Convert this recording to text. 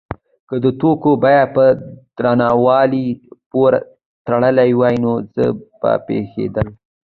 که د توکو بیه په دروندوالي پورې تړلی وای نو څه به پیښیدل؟